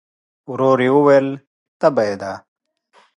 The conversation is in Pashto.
ورو يې وویل: تبه يې ده؟